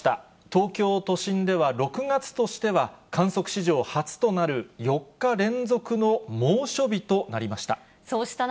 東京都心では、６月としては観測史上初となる４日連続の猛暑日となりました。